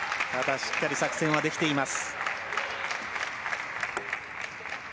しっかり作戦はできています。